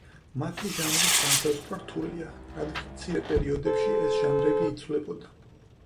მათი ჟანრის განსაზღვრა რთულია, რადგან მცირე პერიოდებში ეს ჟანრები იცვლებოდა.